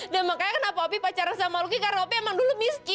dan makanya kenapa saya mencintai luki karena saya dulu memang miskin